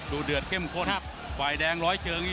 เดือดเข้มข้นฝ่ายแดงร้อยเชิง